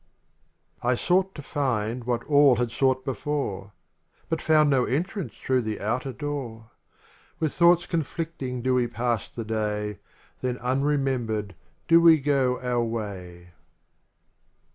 I sought to find what all had sought before, But found no entrance through the outer door, With thoughts conflicting do we pass the day, Then unremembered do we go our way.